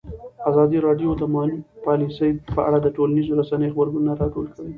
ازادي راډیو د مالي پالیسي په اړه د ټولنیزو رسنیو غبرګونونه راټول کړي.